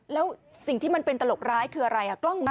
แล้วสิ่งที่มันเป็นตลกร้ายคืออะไร